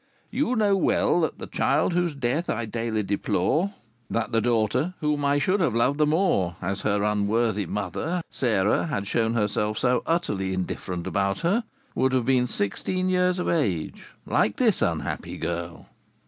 You know well that the child whose death I daily deplore that that daughter whom I should have loved the more, as her unworthy mother, Sarah, had shown herself so utterly indifferent about her would have been sixteen years of age, like this unhappy girl.